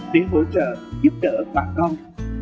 để hỗ trợ giúp đỡ bà con